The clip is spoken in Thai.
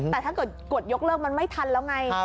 แต่ถ้าเกิดกดยกเลิกมันไม่ทันแล้วไง